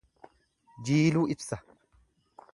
Jiiluu ibsa.